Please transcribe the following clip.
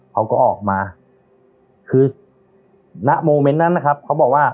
เขาก็ออกมาคือณโมเมนต์นั้นนะครับเขาบอกว่า